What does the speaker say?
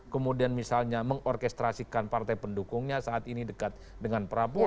kemudian misalnya mengorkestrasikan partai pendukungnya saat ini dekat dengan prabowo